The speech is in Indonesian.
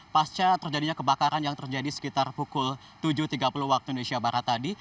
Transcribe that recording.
pasca terjadinya kebakaran yang terjadi sekitar pukul tujuh tiga puluh waktu indonesia barat tadi